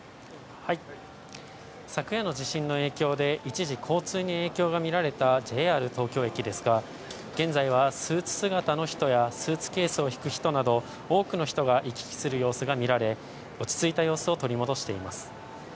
昨夜の地震の影響で一時、交通に影響が見られたＪＲ東京駅ですが、現在はスーツ姿の人やスーツケースを引く人など、多くの人が行き来する様子が見られ、落ち着いた様子を取り戻しています。